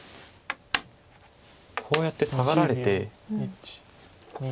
こうやってサガられて。